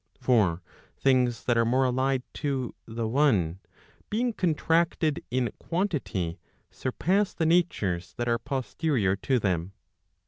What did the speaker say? For things that are more allied to the one ,, being contracted in quantity, surpass the natures that are posterior to them.